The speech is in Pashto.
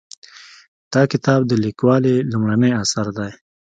دا کتاب د لیکوالې لومړنی اثر دی